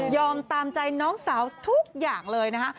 ตามใจน้องสาวทุกอย่างเลยนะคะ